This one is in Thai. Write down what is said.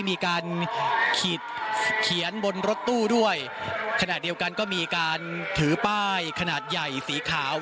มีการขีดเขียนบนรถตู้ด้วยขณะเดียวกันก็มีการถือป้ายขนาดใหญ่สีขาว